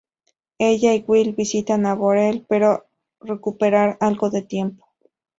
Ella y Will visitan a Borel para recuperar algo de tiempo.